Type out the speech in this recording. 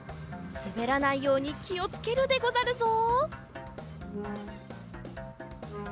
すべらないようにきをつけるでござるぞ。